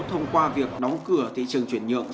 thông qua việc đóng cửa thị trường chuyển nhượng